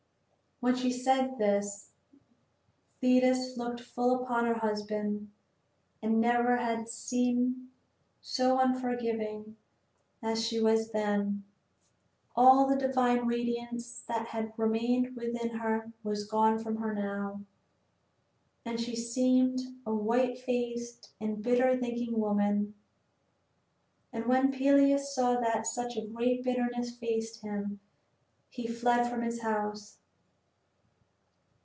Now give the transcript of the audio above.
When she said this Thetis looked full upon her husband, and never had she seemed so unforgiving as she was then. All the divine radiance that had remained with her was gone from her now, and she seemed a white faced and bitter thinking woman. And when Peleus saw that such a great bitterness faced him he fled from his house.